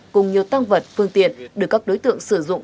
củng cố hồ sơ khởi tố đối tượng